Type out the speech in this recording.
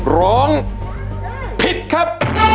ร้องผิดครับ